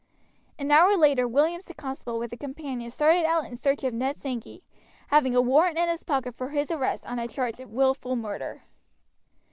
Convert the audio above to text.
An hour later Williams the constable with a companion started out in search of Ned Sankey, having a warrant in his pocket for his arrest on the charge of willful murder.